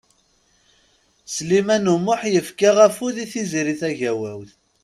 Sliman U Muḥ yefka afud i Tiziri Tagawawt.